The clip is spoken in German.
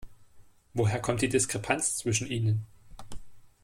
Woher kommt die Diskrepanz zwischen ihnen?